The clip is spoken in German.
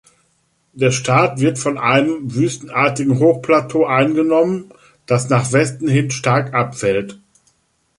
Der Staat wird von einem wüstenartigen Hochplateau eingenommen, das nach Westen hin stark abfällt.